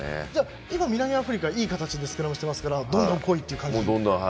今、南アフリカはいい形でスクラムしてますからどんどん来いっていう感じで？